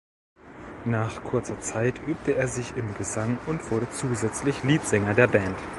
Nach kurzer Zeit übte er sich im Gesang und wurde zusätzlich Leadsänger der Band.